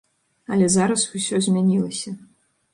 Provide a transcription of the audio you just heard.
Але зараз усё змянілася.